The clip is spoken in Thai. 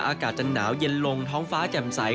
อากาศจะหนาวเย็นลงท้องฟ้าแจ่มใส